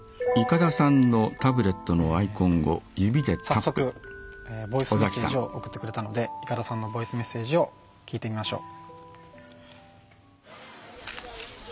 早速ボイスメッセージを送ってくれたのでいかださんのボイスメッセージを聞いてみましょう。